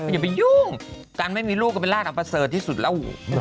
อย่าไปยุ่งการไม่มีลูกก็เป็นราชอัมเบอร์เซอร์ที่สุดแล้ว